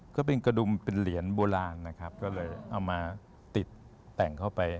ก็เป็นกระดุมเป็นเหรียญโบราณนะครับก็เลยเอามาติดแต่งเข้าไป